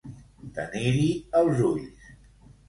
Tenir-hi els ulls.